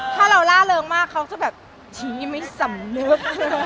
ถ้าเราล่าเริงมากเขาจะแบบชี้ไม่สำนึก